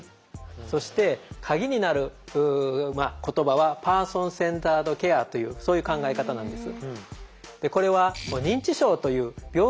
そして鍵になる言葉は「パーソン・センタード・ケア」というそういう考え方なんです。